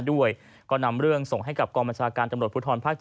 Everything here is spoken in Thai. ด้วยก็นำเรื่องส่งให้กับกองบัญชาการตำรวจภูทรภาค๗